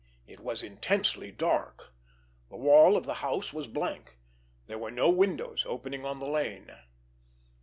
It was intensely dark. The wall of the house was blank. There were no windows opening on the lane.